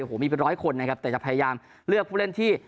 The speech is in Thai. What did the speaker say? โอ้โหมีเป็นร้อยคนนะครับแต่จะพยายามเลือกผู้เล่นที่